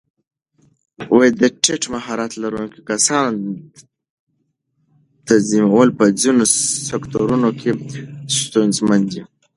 د ټیټ مهارت لرونکو کسانو تنظیمول په ځینو سکتورونو کې ستونزمن دي.